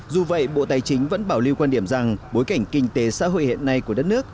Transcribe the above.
dù vậy bộ tài chính vẫn bảo lưu quan điểm rằng bối cảnh kinh tế xã hội hiện nay của đất nước